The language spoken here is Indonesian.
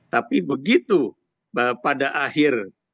tapi begitu pada akhir